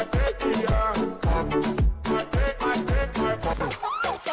จะ